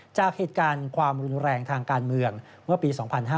จากเหตุการณ์ความรุนแรงทางการเมืองเมื่อปี๒๕๕๙